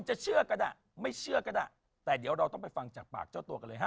แจ๊คจิลวันนี้เขาสองคนไม่ได้มามูเรื่องกุมาทองอย่างเดียวแต่ว่าจะมาเล่าเรื่องประสบการณ์นะครับ